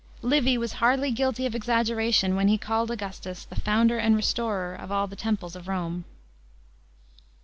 Livy was hardly guilty of exaggeration when he called Augustus "the founder and restorer of all the temples" of Rome.